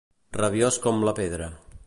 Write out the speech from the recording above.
Rabiós com la pedra.